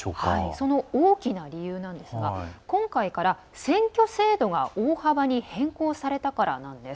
その大きな理由なんですが今回から選挙制度が大幅に変更されたからなんです。